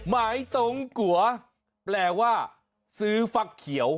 หมายตรงกัวแปลว่าซื้อฟักเขียว